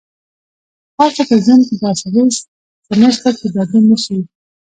تاسو په ژوند کې داسې هیڅ څه نشته چې بدلون نه شي.